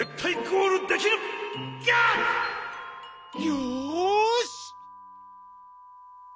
よし！